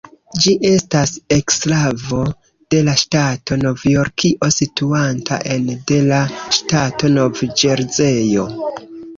Ĝi estas eksklavo de la ŝtato Novjorkio situanta ene de la ŝtato Nov-Ĵerzejo.